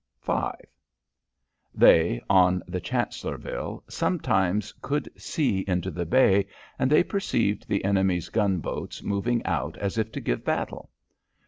V They, on the Chancellorville, sometimes could see into the bay, and they perceived the enemy's gunboats moving out as if to give battle.